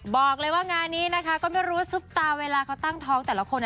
บอกเลยว่างานนี้นะคะก็ไม่รู้ว่าซุปตาเวลาเขาตั้งท้องแต่ละคน